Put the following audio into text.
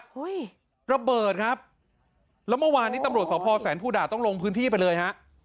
เฮ้ยระเบิดครับแล้วเมื่อวานนี้ตำรวจสพแสนภูด่าต้องลงพื้นที่ไปเลยฮะ